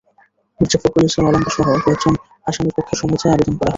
মির্জা ফখরুল ইসলাম আলমগীরসহ কয়েকজন আসামির পক্ষে সময় চেয়ে আবেদন করা হয়।